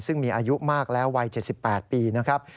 ซึ่งมีอายุมากแล้ววัย๗๘ปีนะครับ